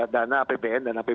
dana apbn dan apbd itu